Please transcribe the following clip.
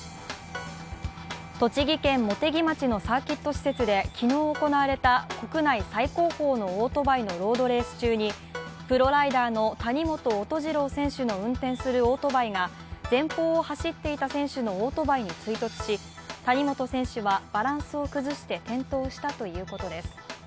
栃木県茂木町のサーキット施設で昨日行われた国内最高峰のオートバイのロードレース中にプロライダーの谷本音虹郎選手の運転するオートバイが前方を走っていた選手のオートバイに衝突し谷本選手はバランスを崩して転倒したということです。